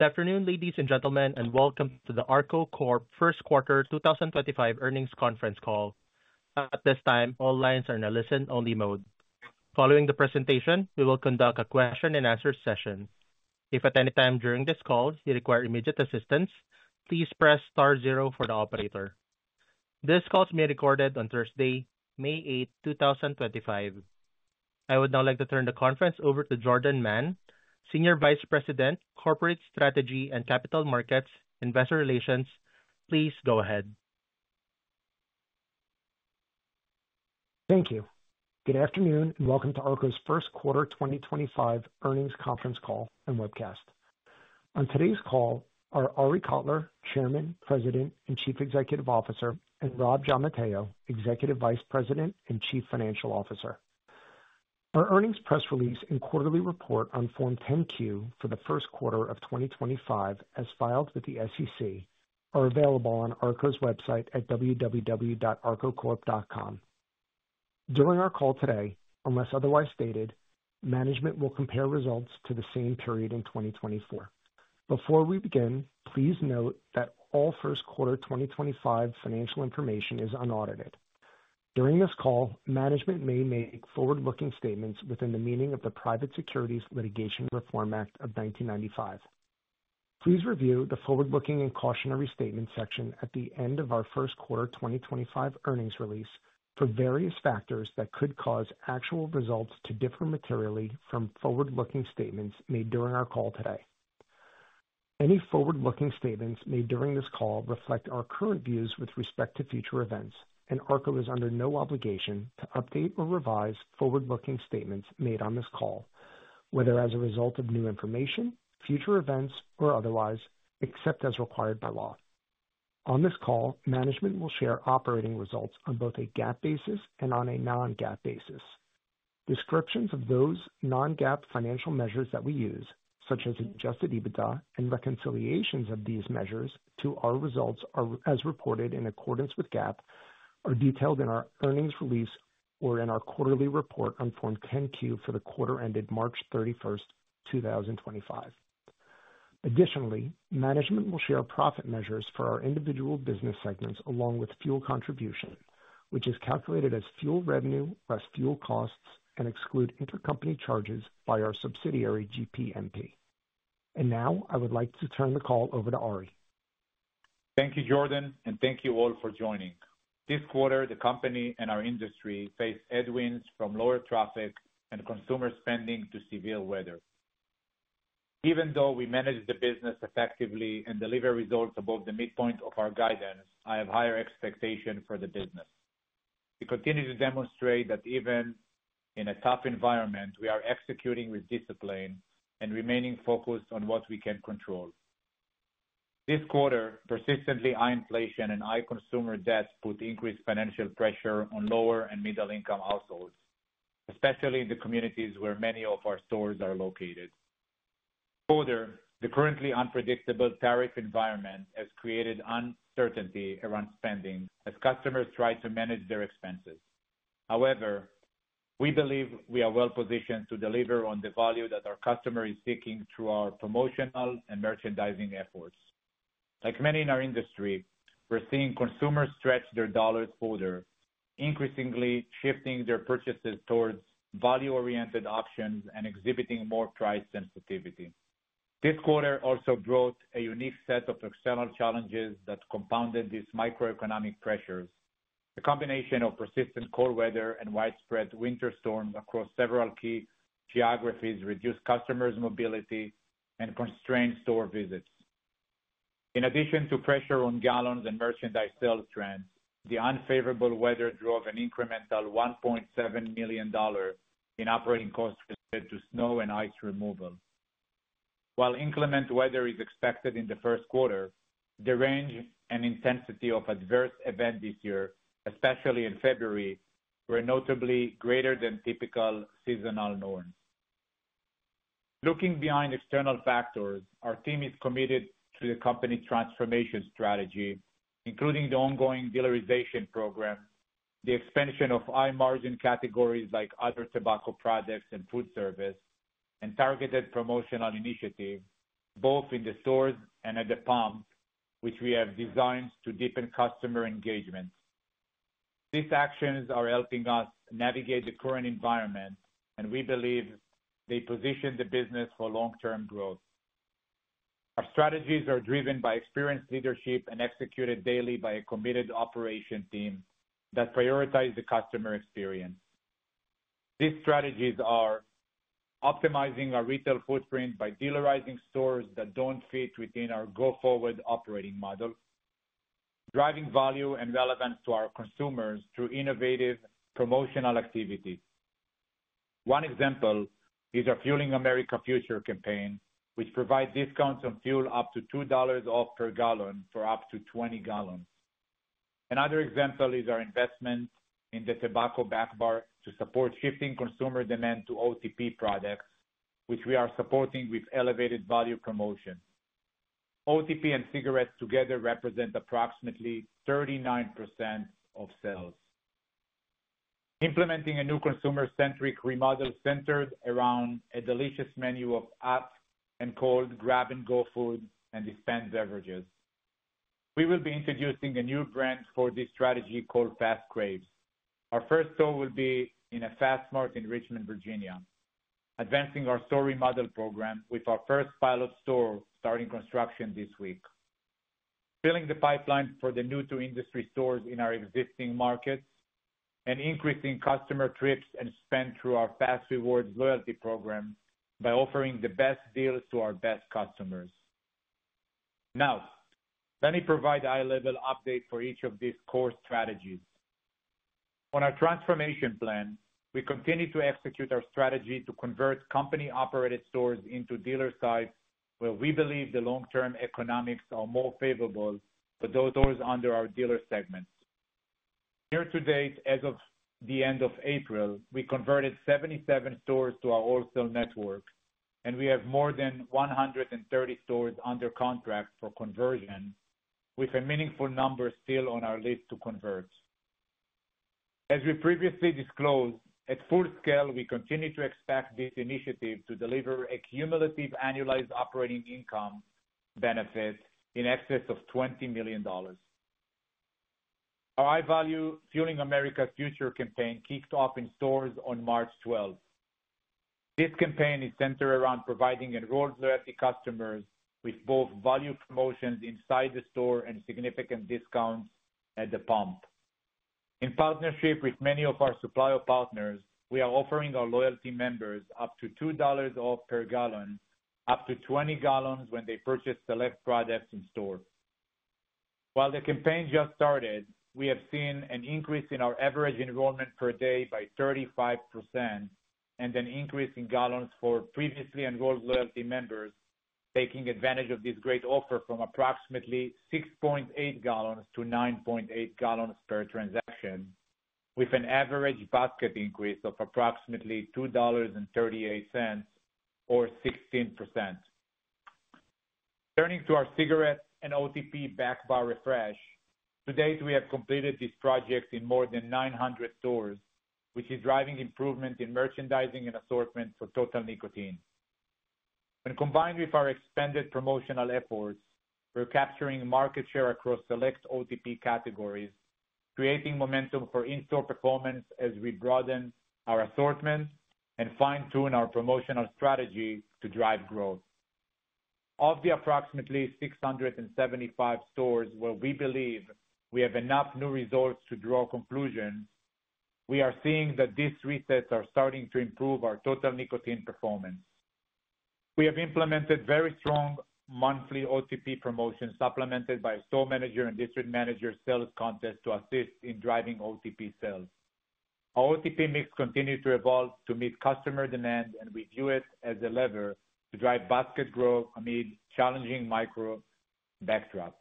Good afternoon, ladies and gentlemen, and welcome to the Corp First Quarter 2025 earnings conference call. At this time, all lines are in a listen-only mode. Following the presentation, we will conduct a question-and-answer session. If at any time during this call you require immediate assistance, please press star zero for the operator. This call is being recorded on Thursday, May 8, 2025. I would now like to turn the conference over to Jordan Mann, Senior Vice President, Corporate Strategy and Capital Markets, Investor Relations. Please go ahead. Thank you. Good afternoon, and welcome to ARKO First Quarter 2025 Earnings Conference Call and Webcast. On today's call are Kotler, Chairman, President, and Chief Executive Officer, and Robb Giammatteo, Executive Vice President and Chief Financial Officer. Our earnings press release and quarterly report on Form 10Q for the first quarter of 2025, as filed with the SEC, are available on website at www.ARKOcorp.com. During our call today, unless otherwise stated, management will compare results to the same period in 2024. Before we begin, please note that all First Quarter 2025 financial information is unaudited. During this call, management may make forward-looking statements within the meaning of the Private Securities Litigation Reform Act of 1995. Please review the forward-looking and cautionary statements section at the end of our First Quarter 2025 earnings release for various factors that could cause actual results to differ materially from forward-looking statements made during our call today. Any forward-looking statements made during this call reflect our current views with respect to future events, and ARKO is under no obligation to update or revise forward-looking statements made on this call, whether as a result of new information, future events, or otherwise, except as required by law. On this call, management will share operating results on both a GAAP basis and on a non-GAAP basis. Descriptions of those non-GAAP financial measures that we use, such as adjusted EBITDA and reconciliations of these measures to our results as reported in accordance with GAAP, are detailed in our earnings release or in our quarterly report on Form 10Q for the quarter ended March 31, 2025. Additionally, management will share profit measures for our individual business segments along with fuel contribution, which is calculated as fuel revenue plus fuel costs and excludes intercompany charges by our subsidiary GPMP. I would like to turn the call over to Arie. Thank you, Jordan, and thank you all for joining. This quarter, the company and our industry faced headwinds from lower traffic and consumer spending to severe weather. Even though we manage the business effectively and deliver results above the midpoint of our guidance, I have higher expectations for the business. We continue to demonstrate that even in a tough environment, we are executing with discipline and remaining focused on what we can control. This quarter, persistent high inflation and high consumer debt put increased financial pressure on lower and middle-income households, especially in the communities where many of our stores are located. Further, the currently unpredictable tariff environment has created uncertainty around spending as customers try to manage their expenses. However, we believe we are well-positioned to deliver on the value that our customer is seeking through our promotional and merchandising efforts. Like many in our industry, we're seeing consumers stretch their dollars further, increasingly shifting their purchases towards value-oriented options and exhibiting more price sensitivity. This quarter also brought a unique set of external challenges that compounded these microeconomic pressures. The combination of persistent cold weather and widespread winter storms across several key geographies reduced customers' mobility and constrained store visits. In addition to pressure on gallons and merchandise sales trends, the unfavorable weather drove an incremental $1.7 million in operating costs related to snow and ice removal. While inclement weather is expected in the first quarter, the range and intensity of adverse events this year, especially in February, were notably greater than typical seasonal norms. Looking beyond external factors, our team is committed to the company's transformation strategy, including the ongoing dealerization program, the expansion of high-margin categories like other tobacco products and food service, and targeted promotional initiatives, both in the stores and at the pumps, which we have designed to deepen customer engagement. These actions are helping us navigate the current environment, and we believe they position the business for long-term growth. Our strategies are driven by experienced leadership and executed daily by a committed operation team that prioritizes the customer experience. These strategies are optimizing our retail footprint by dealerizing stores that do not fit within our go-forward operating model, driving value and relevance to our consumers through innovative promotional activities. One example is our Fueling America Future campaign, which provides discounts on fuel up to $2 off per gallon for up to 20 gallons. Another example is our investment in the tobacco backbar to support shifting consumer demand to OTP products, which we are supporting with elevated value promotion. OTP and cigarettes together represent approximately 39% of sales. Implementing a new consumer-centric remodel centered around a delicious menu of hot and cold grab-and-go food and dispensed beverages. We will be introducing a new brand for this strategy called Fas Craves. Our first store will be in a Fas Mart in Richmond, Virginia, advancing our store remodel program with our first pilot store starting construction this week. Filling the pipeline for the new-to-industry stores in our existing markets and increasing customer trips and spend through our fas REWARDs loyalty program by offering the best deals to our best customers. Now, let me provide an eye-level update for each of these core strategies. On our transformation plan, we continue to execute our strategy to convert company-operated stores into dealer sites where we believe the long-term economics are more favorable for those stores under our dealer segment. Year to date, as of the end of April, we converted 77 stores to our wholesale network, and we have more than 130 stores under contract for conversion, with a meaningful number still on our list to convert. As we previously disclosed, at full scale, we continue to expect this initiative to deliver a cumulative annualized operating income benefit in excess of $20 million. Our high-value Fueling America Future campaign kicked off in stores on March 12. This campaign is centered around providing enrolled loyalty customers with both value promotions inside the store and significant discounts at the pump. In partnership with many of our supplier partners, we are offering our loyalty members up to $2 off per gallon, up to 20 gallons when they purchase select products in store. While the campaign just started, we have seen an increase in our average enrollment per day by 35% and an increase in gallons for previously enrolled loyalty members, taking advantage of this great offer from approximately 6.8 gallons to 9.8 gallons per transaction, with an average basket increase of approximately $2.38 or 16%. Turning to our cigarette and OTP backbar refresh, to date, we have completed this project in more than 900 stores, which is driving improvement in merchandising and assortment for total Nicotine. When combined with our expanded promotional efforts, we're capturing market share across select OTP categories, creating momentum for in-store performance as we broaden our assortment and fine-tune our promotional strategy to drive growth. Of the approximately 675 stores where we believe we have enough new results to draw conclusions, we are seeing that these resets are starting to improve our total Nicotine performance. We have implemented very strong monthly OTP promotions supplemented by a store manager and district manager sales contest to assist in driving OTP sales. Our OTP mix continues to evolve to meet customer demand and we view it as a lever to drive basket growth amid a challenging micro backdrop.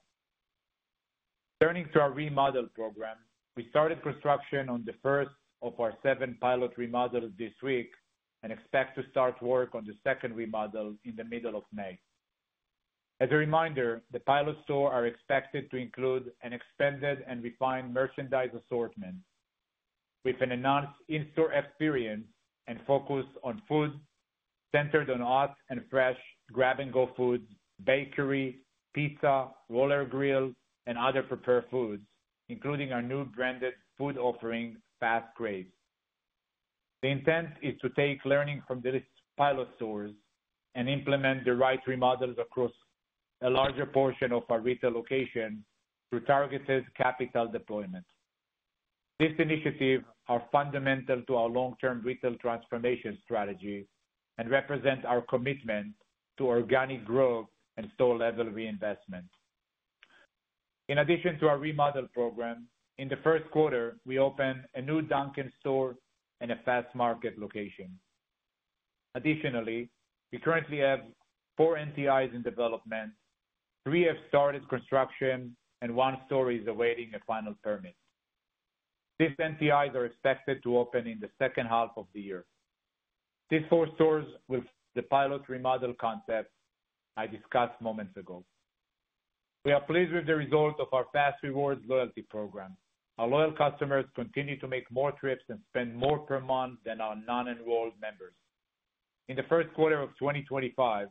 Turning to our remodel program, we started construction on the first of our seven pilot remodels this week and expect to start work on the second remodel in the middle of May. As a reminder, the pilot store is expected to include an expanded and refined merchandise assortment with an enhanced in-store experience and focus on food centered on hot and fresh grab-and-go foods, bakery, pizza, roller grill, and other prepared foods, including our new branded food offering, Fas Craves. The intent is to take learnings from the pilot stores and implement the right remodels across a larger portion of our retail location through targeted capital deployment. This initiative is fundamental to our long-term retail transformation strategy and represents our commitment to organic growth and store-level reinvestment. In addition to our remodel program, in the first quarter, we open a new Dunkin store and a Fas Market location. Additionally, we currently have four NTIs in development, three have started construction, and one store is awaiting a final permit. These NTIs are expected to open in the second half of the year. These four stores will. The pilot remodel concept I discussed moments ago. We are pleased with the result of our fas REWARDS loyalty program. Our loyal customers continue to make more trips and spend more per month than our non-enrolled members. In the first quarter of 2025,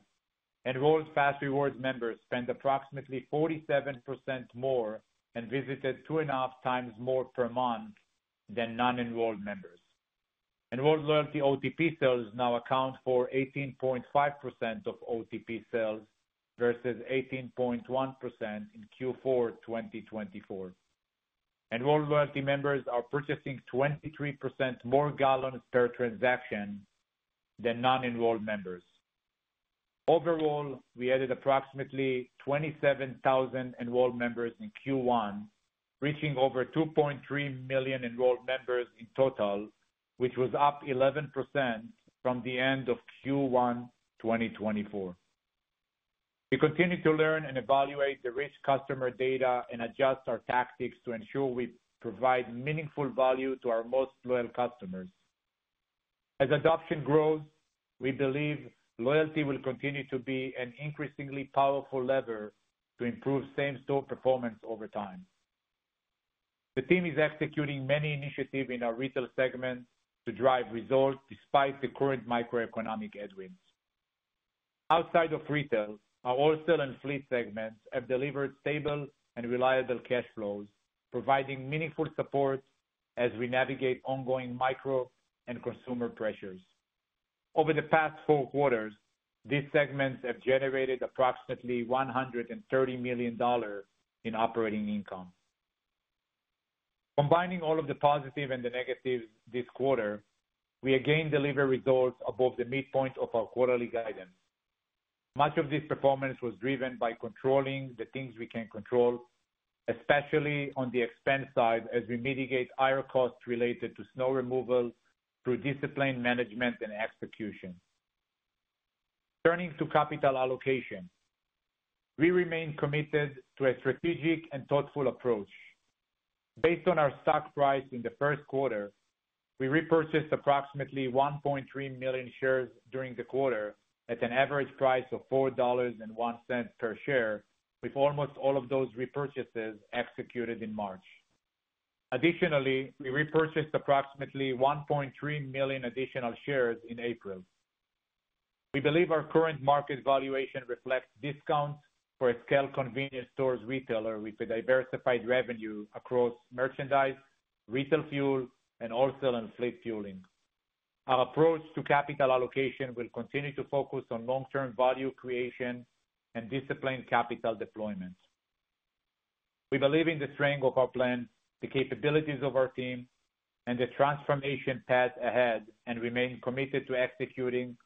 enrolled fas REWARDS members spent approximately 47% more and visited two and a half times more per month than non-enrolled members. Enrolled loyalty OTP sales now account for 18.5% of OTP sales versus 18.1% in Q4 2024. Enrolled loyalty members are purchasing 23% more gallons per transaction than non-enrolled members. Overall, we added approximately 27,000 enrolled members in Q1, reaching over 2.3 million enrolled members in total, which was up 11% from the end of Q1 2024. We continue to learn and evaluate the rich customer data and adjust our tactics to ensure we provide meaningful value to our most loyal customers. As adoption grows, we believe loyalty will continue to be an increasingly powerful lever to improve same-store performance over time. The team is executing many initiatives in our retail segment to drive results despite the current microeconomic headwinds. Outside of retail, our wholesale and fleet segments have delivered stable and reliable cash flows, providing meaningful support as we navigate ongoing micro and consumer pressures. Over the past four quarters, these segments have generated approximately $130 million in operating income. Combining all of the positives and the negatives this quarter, we again deliver results above the midpoint of our quarterly guidance. Much of this performance was driven by controlling the things we can control, especially on the expense side as we mitigate higher costs related to snow removal through disciplined management and execution. Turning to capital allocation, we remain committed to a strategic and thoughtful approach. Based on our stock price in the first quarter, we repurchased approximately 1.3 million shares during the quarter at an average price of $4.01 per share, with almost all of those repurchases executed in March. Additionally, we repurchased approximately 1.3 million additional shares in April. We believe our current market valuation reflects discounts for a scale-convenience stores retailer with a diversified revenue across merchandise, retail fuel, and wholesale and fleet fueling. Our approach to capital allocation will continue to focus on long-term value creation and disciplined capital deployment. We believe in the strength of our plan, the capabilities of our team, and the transformation path ahead, and remain committed to executing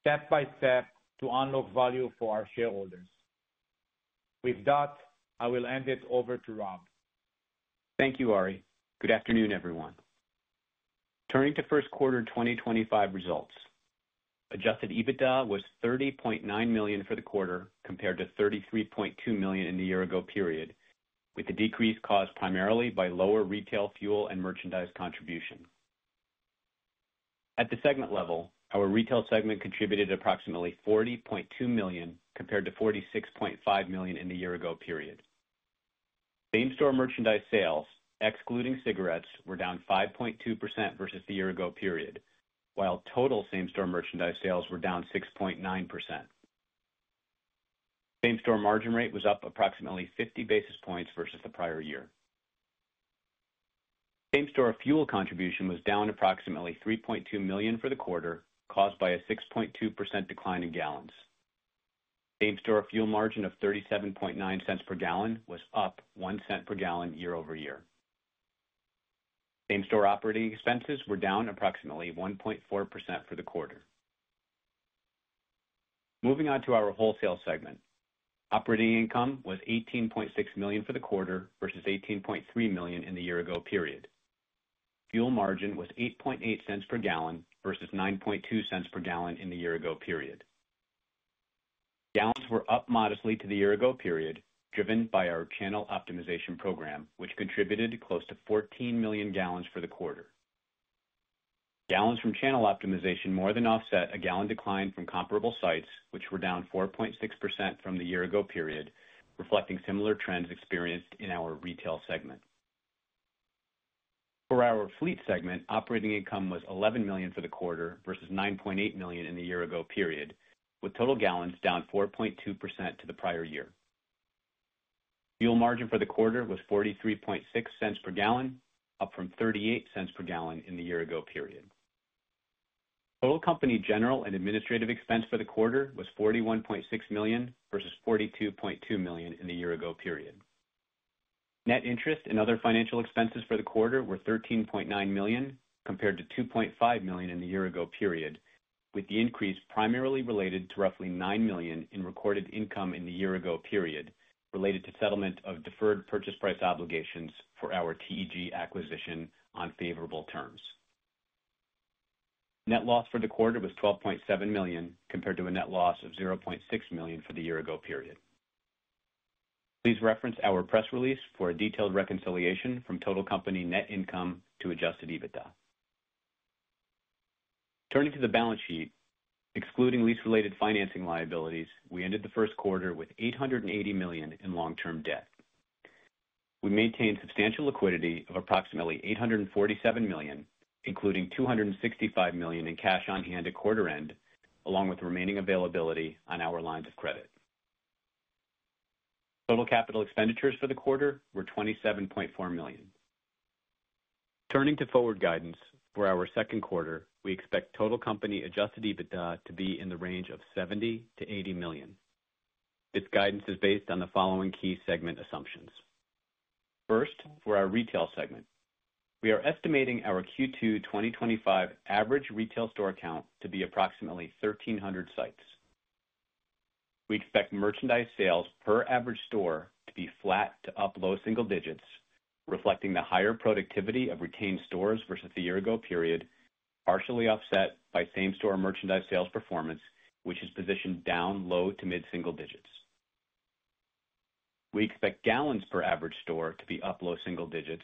step by step to unlock value for our shareholders. With that, I will hand it over to Rob. Thank you, Arie. Good afternoon, everyone. Turning to first quarter 2025 results, adjusted EBITDA was 30.9 million for the quarter compared to 33.2 million in the year-ago period, with the decrease caused primarily by lower retail fuel and merchandise contribution. At the segment level, our retail segment contributed approximately 40.2 million compared to 46.5 million in the year-ago period. Same-store merchandise sales, excluding cigarettes, were down 5.2% versus the year-ago period, while total same-store merchandise sales were down 6.9%. Same-store margin rate was up approximately 50 basis points versus the prior year. Same-store fuel contribution was down approximately 3.2 million for the quarter, caused by a 6.2% decline in gallons. Same-store fuel margin of 0.379 per gallon was up 0.01 per gallon year-over-year. Same-store operating expenses were down approximately 1.4% for the quarter. Moving on to our wholesale segment, operating income was 18.6 million for the quarter versus $18.3 million in the year-ago period. Fuel margin was 8.8 cents per gallon versus 9.2 cents per gallon in the year-ago period. Gallons were up modestly to the year-ago period, driven by our channel optimization program, which contributed close to 14 million gallons for the quarter. Gallons from channel optimization more than offset a gallon decline from comparable sites, which were down 4.6% from the year-ago period, reflecting similar trends experienced in our retail segment. For our fleet segment, operating income was 11 million for the quarter versus 9.8 million in the year-ago period, with total gallons down 4.2% to the prior year. Fuel margin for the quarter was 43.6 cents per gallon, up from 38 cents per gallon in the year-ago period. Total company general and administrative expense for the quarter was 41.6 million versus 42.2 million in the year-ago period. Net interest and other financial expenses for the quarter were 13.9 million compared to 2.5 million in the year-ago period, with the increase primarily related to roughly 9 million in recorded income in the year-ago period related to settlement of deferred purchase price obligations for our TEG acquisition on favorable terms. Net loss for the quarter was 12.7 million compared to a net loss of 0.6 million for the year-ago period. Please reference our press release for a detailed reconciliation from total company net income to adjusted EBITDA. Turning to the balance sheet, excluding lease-related financing liabilities, we ended the first quarter with 880 million in long-term debt. We maintained substantial liquidity of approximately 847 million, including 265 million in cash on hand at quarter-end, along with remaining availability on our lines of credit. Total capital expenditures for the quarter were 27.4 million. Turning to forward guidance for our second quarter, we expect total company adjusted EBITDA to be in the range of 70 million-80 million. This guidance is based on the following key segment assumptions. First, for our retail segment, we are estimating our Q2 2025 average retail store count to be approximately 1,300 sites. We expect merchandise sales per average store to be flat to up low single digits, reflecting the higher productivity of retained stores versus the year-ago period, partially offset by same-store merchandise sales performance, which is positioned down low to mid single digits. We expect gallons per average store to be up low single digits,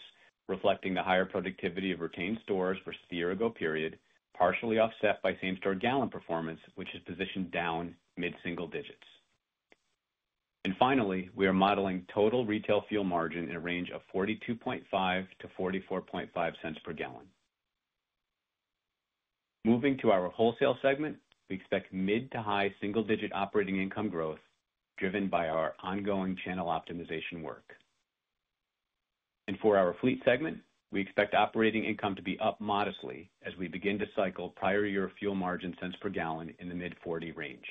reflecting the higher productivity of retained stores versus the year-ago period, partially offset by same-store gallon performance, which is positioned down mid single digits. Finally, we are modeling total retail fuel margin in a range of 42.5-44.5 cents per gallon. Moving to our wholesale segment, we expect mid to high single-digit operating income growth driven by our ongoing channel optimization work. For our fleet segment, we expect operating income to be up modestly as we begin to cycle prior-year fuel margin cents per gallon in the mid 40 range.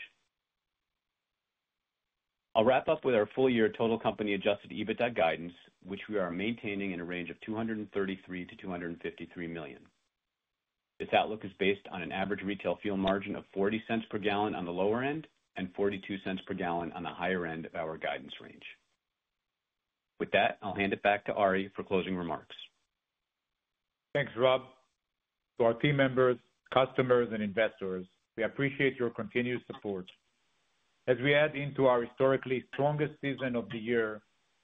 I'll wrap up with our full-year total company adjusted EBITDA guidance, which we are maintaining in a range of 233-253 million. This outlook is based on an average retail fuel margin of 40 cents per gallon on the lower end and 42 cents per gallon on the higher end of our guidance range. With that, I'll hand it back to Arie for closing remarks. Thanks, Rob. To our team members, customers, and investors, we appreciate your continued support. As we add into our historically strongest season of the year,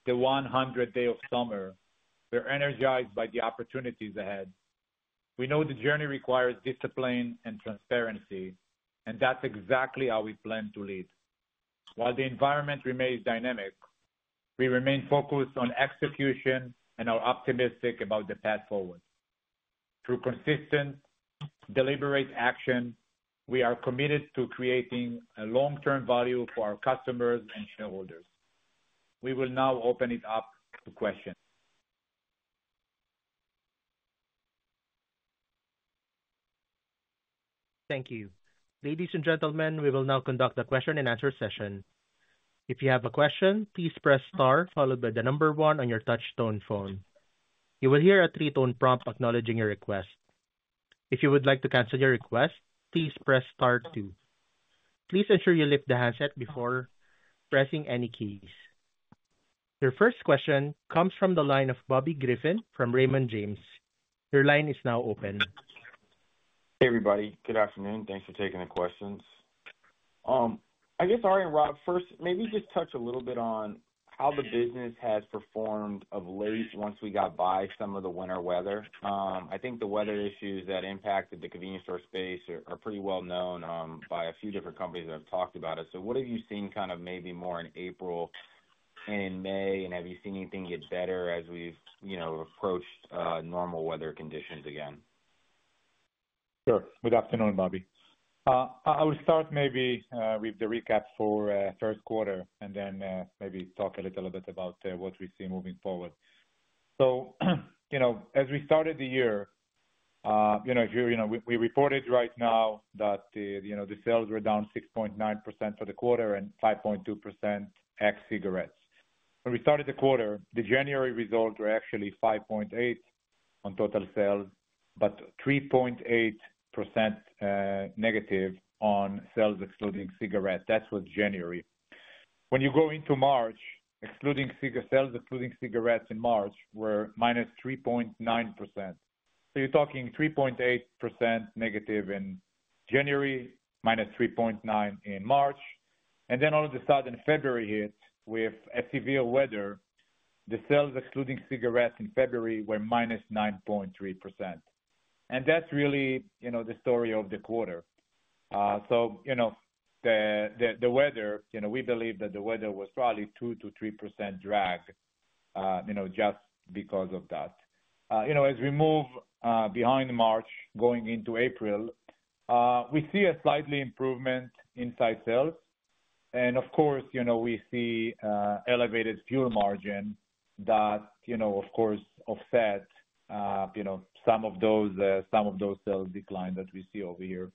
the 100th day of summer, we're energized by the opportunities ahead. We know the journey requires discipline and transparency, and that's exactly how we plan to lead. While the environment remains dynamic, we remain focused on execution and are optimistic about the path forward. Through consistent, deliberate action, we are committed to creating a long-term value for our customers and shareholders. We will now open it up to questions. Thank you. Ladies and gentlemen, we will now conduct a question-and-answer session. If you have a question, please press Star followed by the number one on your touchstone phone. You will hear a three-tone prompt acknowledging your request. If you would like to cancel your request, please press Star two. Please ensure you lift the handset before pressing any keys. Your first question comes from the line of Bobby Griffin from Raymond James. Your line is now open. Hey, everybody. Good afternoon. Thanks for taking the questions. I guess, Arie and Rob, first, maybe just touch a little bit on how the business has performed of late once we got by some of the winter weather. I think the weather issues that impacted the convenience store space are pretty well known by a few different companies that have talked about it. What have you seen kind of maybe more in April and in May, and have you seen anything get better as we've approached normal weather conditions again? Sure. Good afternoon, Bobby. I would start maybe with the recap for first quarter and then maybe talk a little bit about what we see moving forward. As we started the year, if you're in a, we reported right now that the sales were down 6.9% for the quarter and 5.2% ex-cigarettes. When we started the quarter, the January results were actually 5.8 on total sales, but 3.8% negative on sales excluding cigarettes. That was January. When you go into March, excluding cigarettes, sales excluding cigarettes in March were minus 3.9%. You're talking 3.8% negative in January, minus 3.9% in March. All of a sudden, February hit with severe weather. The sales excluding cigarettes in February were minus 9.3%. That's really the story of the quarter. The weather, we believe that the weather was probably 2-3% drag just because of that. As we move behind March going into April, we see a slightly improvement in sales sales. Of course, we see elevated fuel margin that, of course, offset some of those sales decline that we see over here.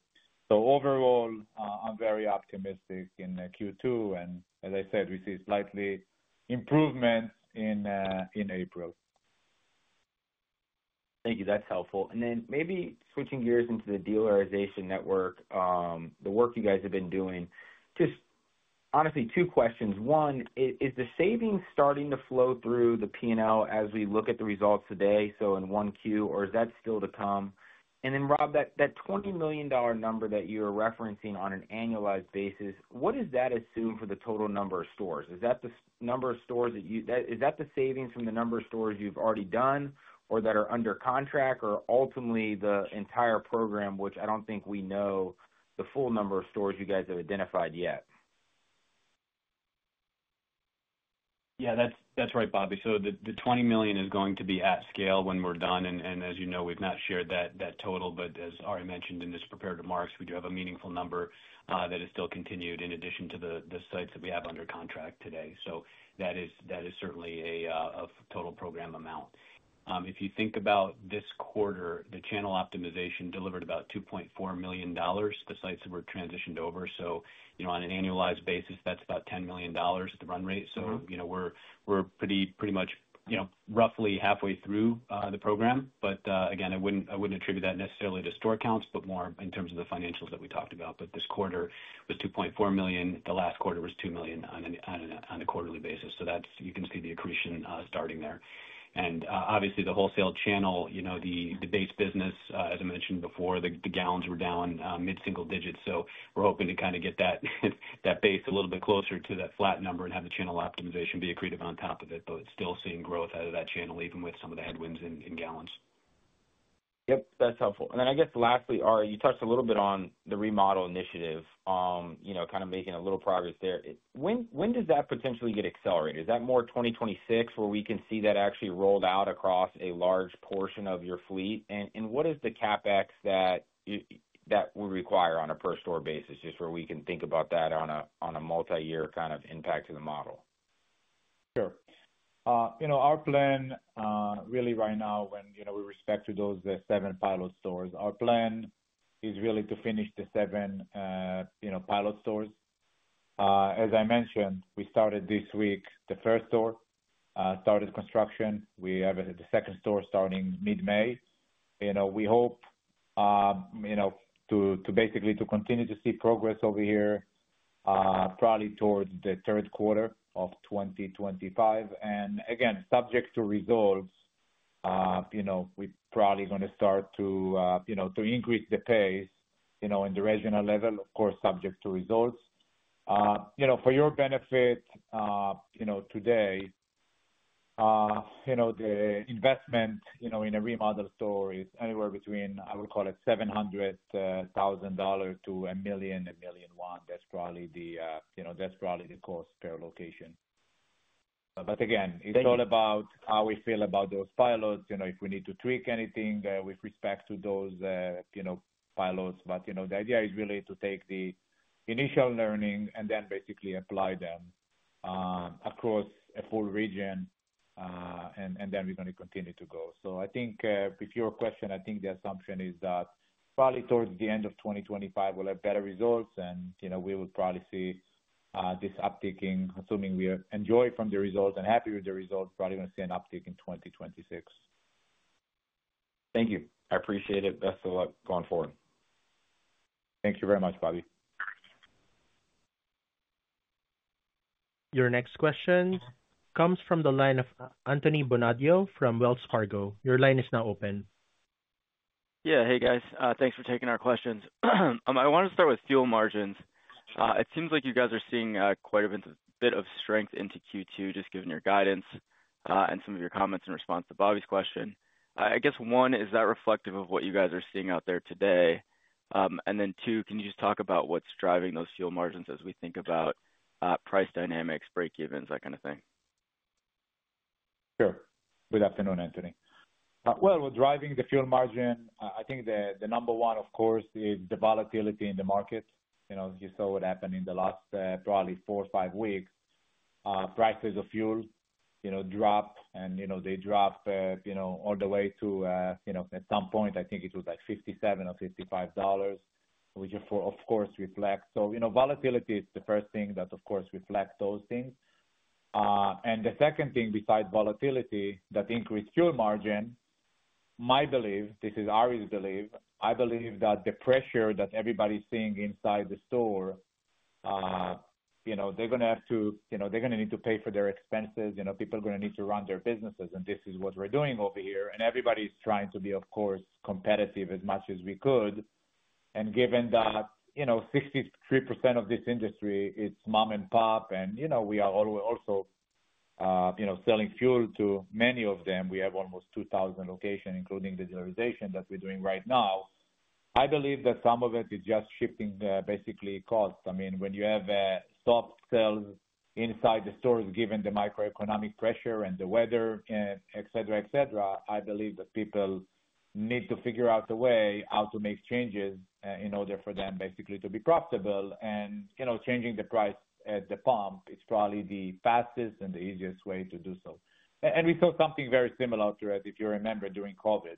Overall, I'm very optimistic in Q2. As I said, we see slightly improvement in April. Thank you. That's helpful. Maybe switching gears into the dealerization network, the work you guys have been doing, just honestly, two questions. One, is the savings starting to flow through the P&L as we look at the results today, so in Q1, or is that still to come? Rob, that $20 million number that you're referencing on an annualized basis, what does that assume for the total number of stores? Is that the number of stores that you—is that the savings from the number of stores you've already done or that are under contract or ultimately the entire program, which I don't think we know the full number of stores you guys have identified yet? Yeah, that's right, Bobby. The $20 million is going to be at scale when we're done. As you know, we've not shared that total. As Arie mentioned in his prepared remarks, we do have a meaningful number that has still continued in addition to the sites that we have under contract today. That is certainly a total program amount. If you think about this quarter, the channel optimization delivered about $2.4 million, the sites that were transitioned over. On an annualized basis, that's about $10 million at the run rate. We're pretty much roughly halfway through the program. I would not attribute that necessarily to store counts, but more in terms of the financials that we talked about. This quarter was $2.4 million. The last quarter was $2 million on a quarterly basis. You can see the accretion starting there. Obviously, the wholesale channel, the base business, as I mentioned before, the gallons were down mid single digits. We are hoping to get that base a little bit closer to that flat number and have the channel optimization be accretive on top of it, but still seeing growth out of that channel even with some of the headwinds in gallons. Yep, that is helpful. I guess lastly, Arie, you touched a little bit on the remodel initiative, kind of making a little progress there. When does that potentially get accelerated? Is that more 2026 where we can see that actually rolled out across a large portion of your fleet? What is the CapEx that we require on a per-store basis just where we can think about that on a multi-year kind of impact to the model? Sure. Our plan really right now, with respect to those seven pilot stores, our plan is really to finish the seven pilot stores. As I mentioned, we started this week the first store, started construction. We have the second store starting mid-May. We hope to basically continue to see progress over here probably towards the third quarter of 2025. Again, subject to results, we're probably going to start to increase the pace in the regional level, of course, subject to results. For your benefit today, the investment in a remodel store is anywhere between, I would call it, $700,000 to 1 million, 1.1 million. That's probably the cost per location. Again, it's all about how we feel about those pilots, if we need to tweak anything with respect to those pilots. The idea is really to take the initial learning and then basically apply them across a full region, and then we're going to continue to go. I think if your question, I think the assumption is that probably towards the end of 2025, we'll have better results, and we will probably see this up-ticking, assuming we enjoy from the results and happy with the results, probably going to see an uptick in 2026. Thank you. I appreciate it. Best of luck going forward. Thank you very much, Bobby. Your next question comes from the line of Anthony Bonadio from Wells Fargo. Your line is now open. Yeah, hey, guys. Thanks for taking our questions. I want to start with fuel margins. It seems like you guys are seeing quite a bit of strength into Q2, just given your guidance and some of your comments in response to Bobby's question. I guess, one, is that reflective of what you guys are seeing out there today? Two, can you just talk about what's driving those fuel margins as we think about price dynamics, break-evens, that kind of thing? Sure. Good afternoon, Anthony. We're driving the fuel margin. I think the number one, of course, is the volatility in the market. You saw what happened in the last probably four or five weeks. Prices of fuel dropped, and they dropped all the way to, at some point, I think it was like $57 or $55, which of course reflects. Volatility is the first thing that, of course, reflects those things. The second thing besides volatility that increased fuel margin, my belief, this is Arie's belief, I believe that the pressure that everybody's seeing inside the store, they're going to have to, they're going to need to pay for their expenses. People are going to need to run their businesses, and this is what we're doing over here. Everybody's trying to be, of course, competitive as much as we could. Given that 63% of this industry, it's mom and pop, and we are also selling fuel to many of them. We have almost 2,000 locations, including the dealerization that we're doing right now. I believe that some of it is just shifting basically cost. I mean, when you have soft sales inside the stores, given the microeconomic pressure and the weather, etc., etc., I believe that people need to figure out a way how to make changes in order for them basically to be profitable. Changing the price at the pump is probably the fastest and the easiest way to do so. We saw something very similar to it, if you remember, during COVID.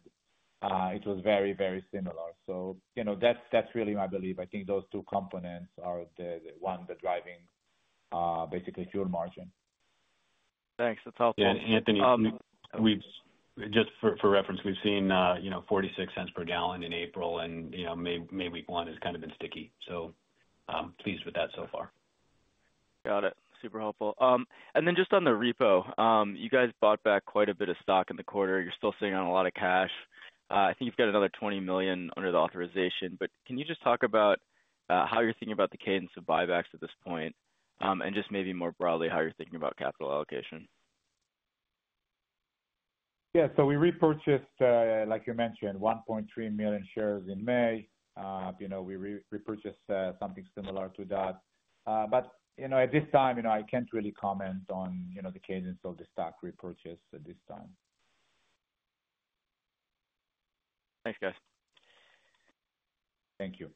It was very, very similar. That is really my belief. I think those two components are the one that is driving basically fuel margin. Thanks. That is helpful. And Anthony, just for reference, we have seen $0.46 per gallon in April, and maybe one has kind of been sticky. Pleased with that so far. Got it. Super helpful. Just on the repo, you guys bought back quite a bit of stock in the quarter. You're still sitting on a lot of cash. I think you've got another 20 million under the authorization. Can you just talk about how you're thinking about the cadence of buybacks at this point and just maybe more broadly how you're thinking about capital allocation? Yeah. We repurchased, like you mentioned, 1.3 million shares in May. We repurchased something similar to that. At this time, I can't really comment on the cadence of the stock repurchase at this time. Thanks, guys. Thank you.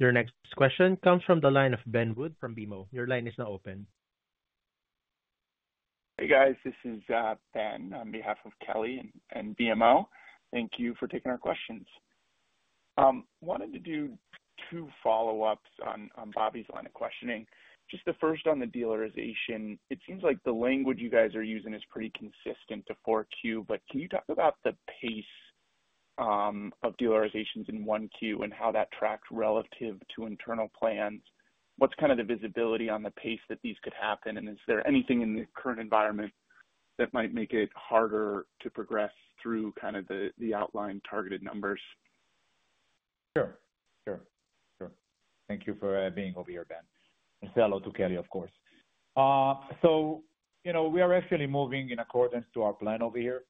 Your next question comes from the line of Ben Wood from BMO. Your line is now open. Hey, guys. This is Ben on behalf of Kelly and BMO. Thank you for taking our questions. Wanted to do two follow-ups on Bobby's line of questioning. Just the first on the dealerization, it seems like the language you guys are using is pretty consistent to Q4, but can you talk about the pace of dealerizations in Q1 and how that tracks relative to internal plans? What's kind of the visibility on the pace that these could happen? Is there anything in the current environment that might make it harder to progress through kind of the outlined targeted numbers? Sure. Thank you for being over here, Ben. And fellow to Kelly, of course. We are actually moving in accordance to our plan over here.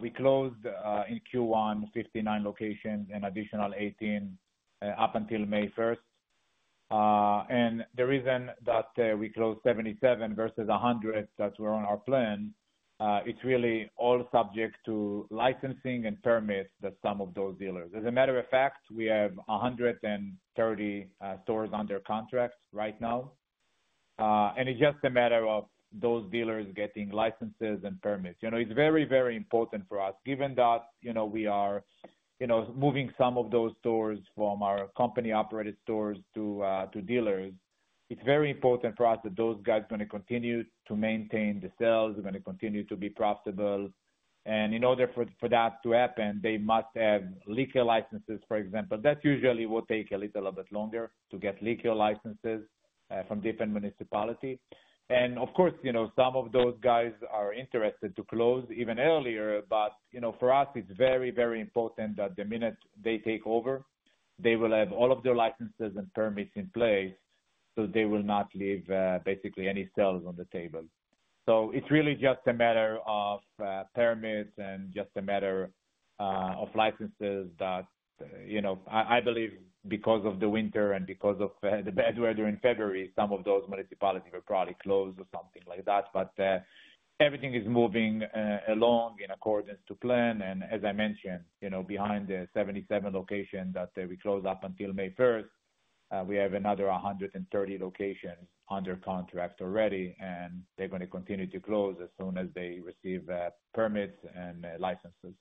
We closed in Q1, 59 locations and additional 18 up until May 1. The reason that we closed 77 versus 100 that were on our plan, it's really all subject to licensing and permits that some of those dealers. As a matter of fact, we have 130 stores under contract right now. It is just a matter of those dealers getting licenses and permits. It is very, very important for us, given that we are moving some of those stores from our company-operated stores to dealers. It is very important for us that those guys are going to continue to maintain the sales. They are going to continue to be profitable. In order for that to happen, they must have liquor licenses, for example. That is usually what takes a little bit longer, to get liquor licenses from different municipalities. Of course, some of those guys are interested to close even earlier, but for us, it is very, very important that the minute they take over, they will have all of their licenses and permits in place so they will not leave basically any sales on the table. It is really just a matter of permits and just a matter of licenses that I believe because of the winter and because of the bad weather in February, some of those municipalities will probably close or something like that. Everything is moving along in accordance to plan. As I mentioned, behind the 77 locations that we closed up until May 1, we have another 130 locations under contract already, and they are going to continue to close as soon as they receive permits and licenses.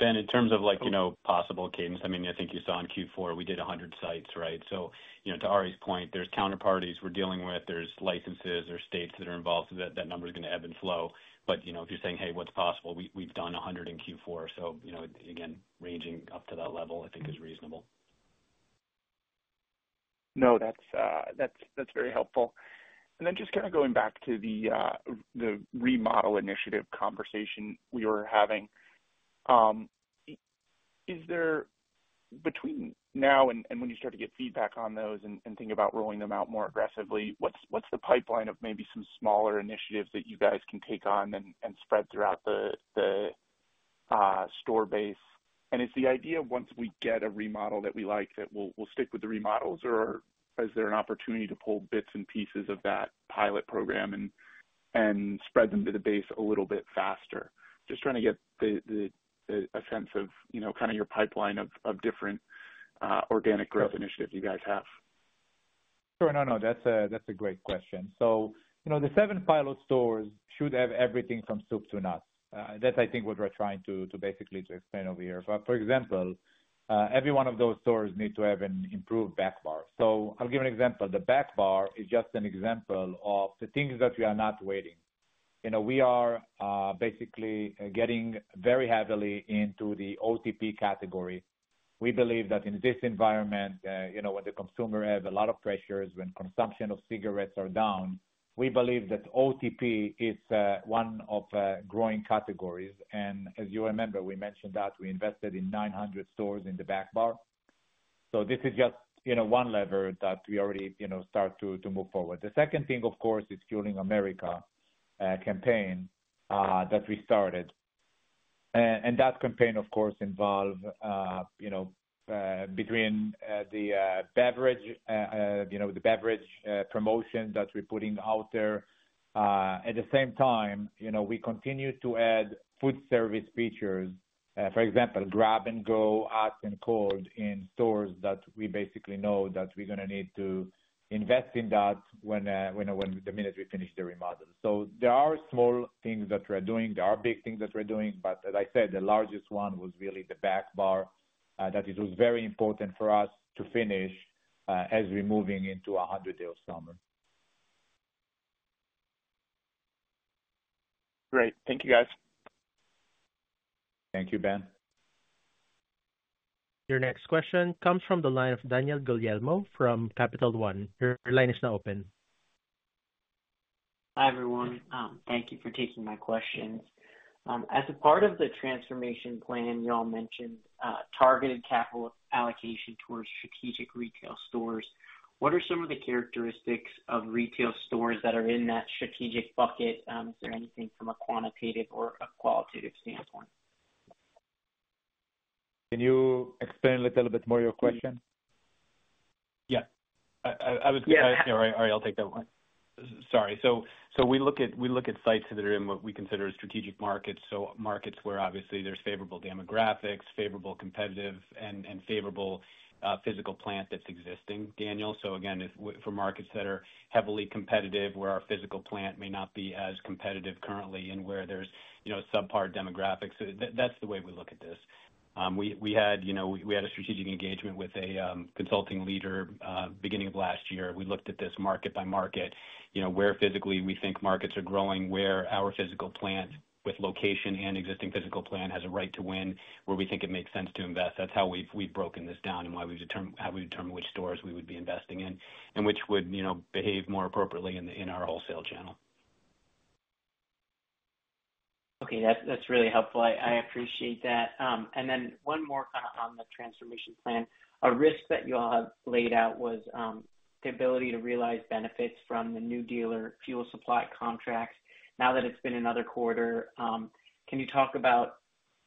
In terms of possible cadence, I mean, I think you saw in Q4, we did 100 sites, right? To Arie's point, there are counterparties we are dealing with. There are licenses. There are states that are involved. That number is going to ebb and flow. If you are saying, "Hey, what is possible?" We have done 100 in Q4. Again, ranging up to that level, I think, is reasonable. No, that's very helpful. Just kind of going back to the remodel initiative conversation we were having, between now and when you start to get feedback on those and think about rolling them out more aggressively, what's the pipeline of maybe some smaller initiatives that you guys can take on and spread throughout the store base? Is the idea once we get a remodel that we like, that we'll stick with the remodels, or is there an opportunity to pull bits and pieces of that pilot program and spread them to the base a little bit faster? Just trying to get a sense of kind of your pipeline of different organic growth initiatives you guys have. Sure. No, no. That's a great question. The seven pilot stores should have everything from soup to nuts. That's, I think, what we're trying to basically explain over here. For example, every one of those stores needs to have an improved back bar. I'll give an example. The back bar is just an example of the things that we are not waiting. We are basically getting very heavily into the OTP category. We believe that in this environment, when the consumer has a lot of pressures, when consumption of cigarettes is down, we believe that OTP is one of the growing categories. As you remember, we mentioned that we invested in 900 stores in the back bar. This is just one lever that we already start to move forward. The second thing, of course, is the Fueling America Future campaign that we started. That campaign, of course, involved between the beverage promotion that we're putting out there. At the same time, we continue to add food service features, for example, grab-and-go, hot and cold in stores that we basically know that we're going to need to invest in that when the minute we finish the remodel. There are small things that we're doing. There are big things that we're doing. As I said, the largest one was really the backbar that it was very important for us to finish as we're moving into a 100-day summer. Great. Thank you, guys. Thank you, Ben. Your next question comes from the line of Daniel Guglielmo from Capital One. Your line is now open. Hi, everyone. Thank you for taking my questions. As a part of the transformation plan, y'all mentioned targeted capital allocation towards strategic retail stores. What are some of the characteristics of retail stores that are in that strategic bucket? Is there anything from a quantitative or a qualitative standpoint? Can you explain a little bit more your question? Yeah. All right. I'll take that one. Sorry. We look at sites that are in what we consider strategic markets. Markets where obviously there's favorable demographics, favorable competitive, and favorable physical plant that's existing, Daniel. For markets that are heavily competitive, where our physical plant may not be as competitive currently and where there's subpar demographics, that's the way we look at this. We had a strategic engagement with a consulting leader beginning of last year. We looked at this market by market, where physically we think markets are growing, where our physical plant with location and existing physical plant has a right to win, where we think it makes sense to invest. That's how we've broken this down and why we've determined how we determine which stores we would be investing in and which would behave more appropriately in our wholesale channel. Okay. That's really helpful. I appreciate that. One more on the transformation plan. A risk that y'all have laid out was the ability to realize benefits from the new dealer fuel supply contracts. Now that it's been another quarter, can you talk about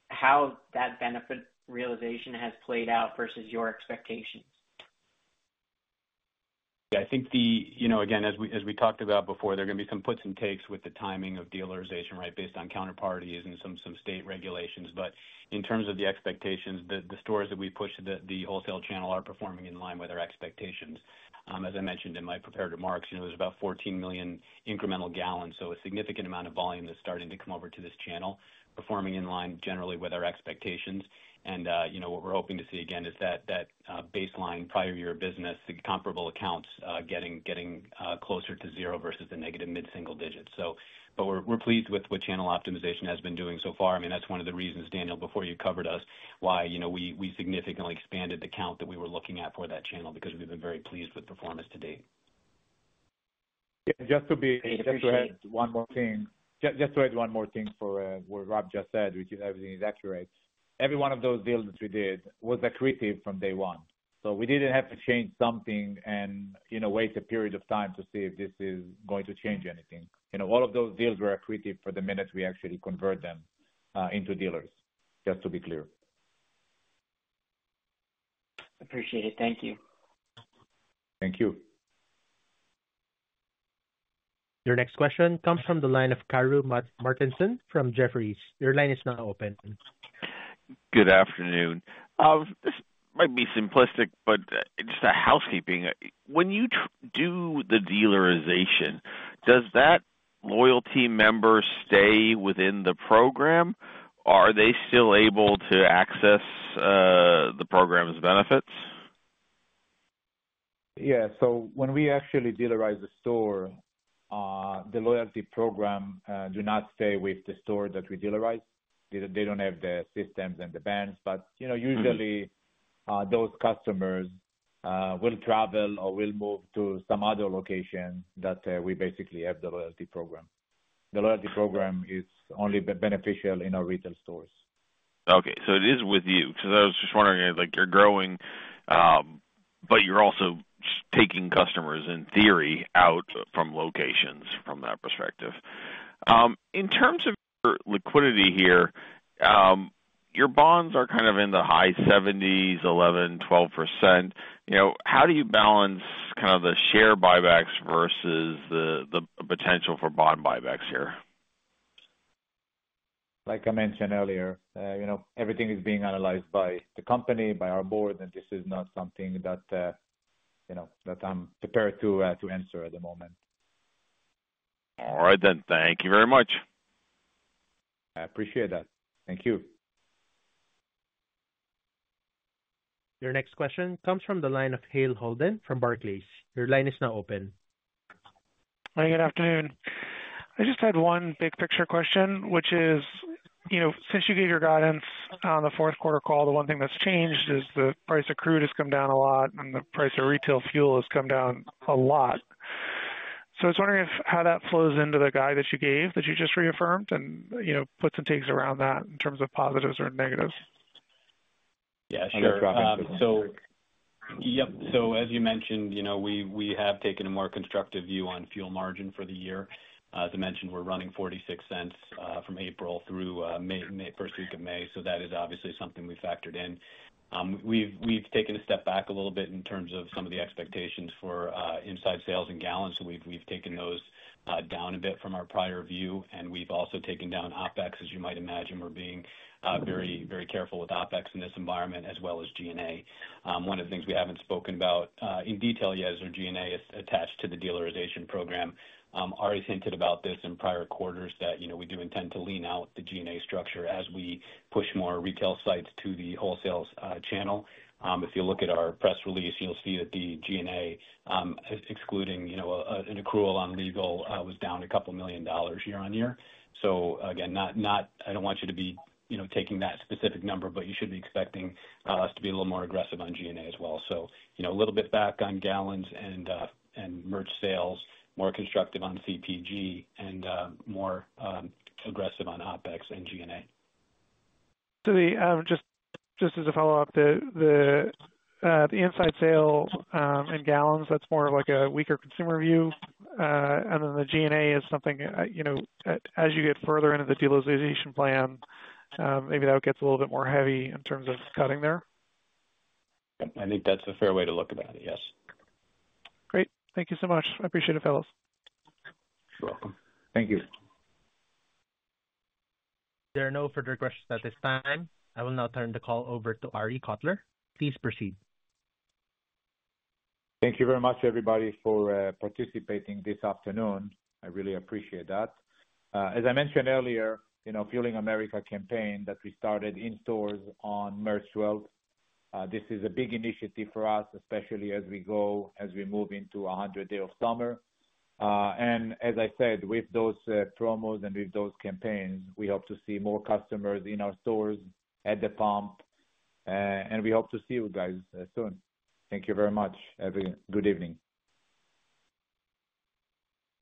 how that benefit realization has played out versus your expectations? Yeah. I think, again, as we talked about before, there are going to be some puts and takes with the timing of dealerization, right, based on counterparties and some state regulations. In terms of the expectations, the stores that we've pushed the wholesale channel are performing in line with our expectations. As I mentioned in my prepared remarks, there's about 14 million incremental gallons, so a significant amount of volume that's starting to come over to this channel, performing in line generally with our expectations. What we're hoping to see, again, is that baseline prior year business and comparable accounts getting closer to zero versus the negative mid-single digits. We're pleased with what channel optimization has been doing so far. I mean, that's one of the reasons, Daniel, before you covered us, why we significantly expanded the count that we were looking at for that channel because we've been very pleased with performance to date. Just to add one more thing for what Rob just said, which is everything is accurate. Every one of those deals that we did was accretive from day one. We did not have to change something and waste a period of time to see if this is going to change anything. All of those deals were accretive from the minute we actually convert them into dealers, just to be clear. Appreciate it. Thank you. Thank you. Your next question comes from the line of Kyle Martenson from Jefferies. Your line is now open. Good afternoon. This might be simplistic, but just housekeeping. When you do the dealerization, does that loyalty member stay within the program? Are they still able to access the program's benefits? Yeah. When we actually dealerize the store, the loyalty program does not stay with the store that we dealerize. They do not have the systems and the bands. Usually, those customers will travel or will move to some other location that we basically have the loyalty program. The loyalty program is only beneficial in our retail stores. Okay. It is with you because I was just wondering, you're growing, but you're also taking customers, in theory, out from locations from that perspective. In terms of liquidity here, your bonds are kind of in the high 70s, 11-12%. How do you balance kind of the share buybacks versus the potential for bond buybacks here? Like I mentioned earlier, everything is being analyzed by the company, by our board, and this is not something that I'm prepared to answer at the moment. All right then. Thank you very much. I appreciate that. Thank you. Your next question comes from the line of Hale Holden from Barclays. Your line is now open. Hi. Good afternoon. I just had one big picture question, which is, since you gave your guidance on the fourth quarter call, the one thing that's changed is the price of crude has come down a lot and the price of retail fuel has come down a lot. I was wondering how that flows into the guide that you gave that you just reaffirmed and puts and takes around that in terms of positives or negatives. Yeah. Sure. Yep. As you mentioned, we have taken a more constructive view on fuel margin for the year. As I mentioned, we're running $0.46 from April through first week of May. That is obviously something we've factored in. We've taken a step back a little bit in terms of some of the expectations for inside sales and gallons. We've taken those down a bit from our prior view. We have also taken down OPEX, as you might imagine. We are being very, very careful with OPEX in this environment, as well as G&A. One of the things we have not spoken about in detail yet is our G&A is attached to the dealerization program. Arie hinted about this in prior quarters that we do intend to lean out the G&A structure as we push more retail sites to the wholesale channel. If you look at our press release, you will see that the G&A, excluding an accrual on legal, was down a couple of million dollars year-on-year. Again, I do not want you to be taking that specific number, but you should be expecting us to be a little more aggressive on G&A as well. A little bit back on gallons and merch sales, more constructive on CPG, and more aggressive on OPEX and G&A. Just as a follow-up, the inside sale and gallons, that's more of a weaker consumer view. And then the G&A is something, as you get further into the dealerization plan, maybe that gets a little bit more heavy in terms of cutting there. I think that's a fair way to look at it. Yes. Great. Thank you so much. I appreciate it, fellows. You're welcome. Thank you. There are no further questions at this time. I will now turn the call over to Arie Kotler. Please proceed. Thank you very much, everybody, for participating this afternoon. I really appreciate that. As I mentioned earlier, Fueling America campaign that we started in stores on March 12. This is a big initiative for us, especially as we move into a 100-day summer. As I said, with those promos and with those campaigns, we hope to see more customers in our stores, at the pump, and we hope to see you guys soon. Thank you very much. Have a good evening.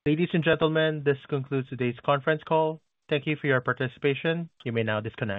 Ladies and gentlemen, this concludes today's conference call. Thank you for your participation. You may now disconnect.